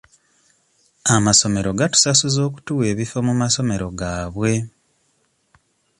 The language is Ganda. Amasomero gatusasuza okutuwa ebifo mu masomero gaabye.